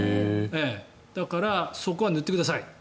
だから、そこは塗ってください。